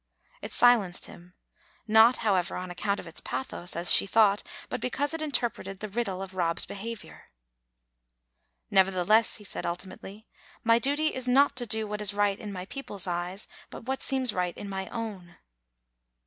It silenced him; not, however, on account of its pathos, as she thought, but because it in terpreted the riddle of Rob's behavior. "Nevertheless," he said ultimately, "my duty is not to do what is right in my people's eyes, but what seems right in my own."